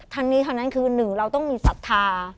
ทั้งนี้ทั้งนั้นคือหนึ่งเราต้องมีศรัทธา